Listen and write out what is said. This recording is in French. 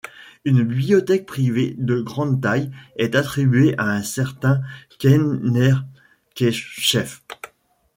Une bibliothèque privée de grande taille est attribuée à un certain Kenherkhepshef.